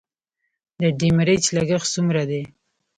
د ډیمریج لګښت څومره دی؟